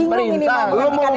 lu mau membantah perintah